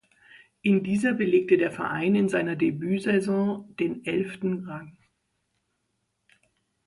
In dieser belegte der Verein in seiner Debütsaison den elften Rang.